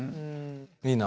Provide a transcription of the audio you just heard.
いいな。